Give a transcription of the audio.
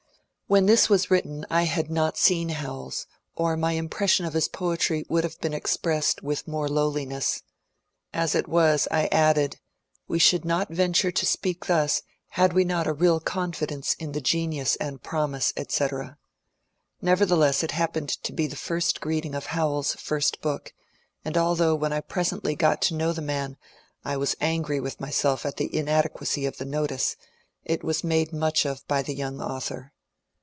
When this was written I had not seen Howells, or my impression of his poetry would have been expressed with more lowliness. As it was I added :^^ We should not venture to speak thus had we not a real oonfidence in the genius and promise," etc. Never theless it happened to be the first greeting of Howells's first book ; and although when I presently got to know the man I was angry with myself at the inadequacy of the notice, it was made much of by the young author.